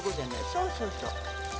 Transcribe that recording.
そうそうそう。